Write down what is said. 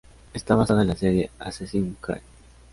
Está basada en la serie "Assassin's Creed".